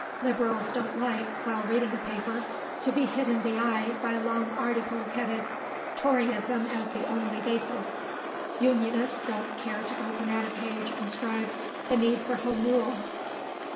Liberals don't like, while reading a paper, to be hit in the eye by long articles headed 'Toryism as the only Basis.' Unionists don't care to open at a page inscribed 'The Need for Home Rule.